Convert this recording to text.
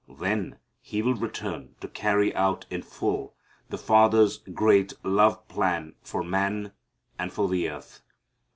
Then He will return to carry out in full the Father's great love plan for man and for the earth.